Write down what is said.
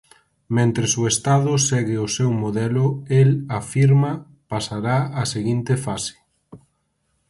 Mentres o Estado segue o seu modelo el, afirma, pasará á seguinte fase.